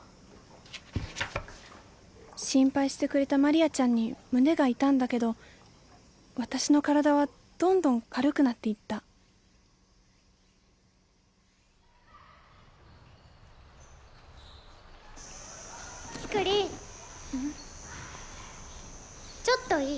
心配してくれたマリアちゃんに胸が痛んだけど私の体はどんどん軽くなっていったキクリンちょっといい？